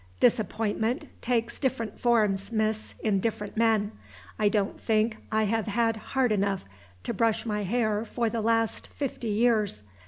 Disappointment takes different forms, miss, in different men. I don't think I have had heart enough to brush my hair for the last fifty years.